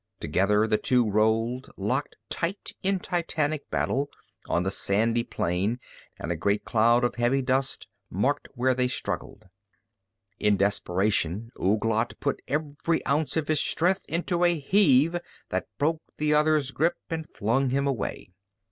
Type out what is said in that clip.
Together the two rolled, locked tight in titanic battle, on the sandy plain and a great cloud of heavy dust marked where they struggled. In desperation Ouglat put every ounce of his strength into a heave that broke the other's grip and flung him away.